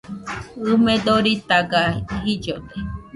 ɨme doritaga jillode